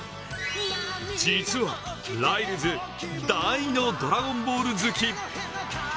実はライルズ、大の「ドラゴンボール」好き。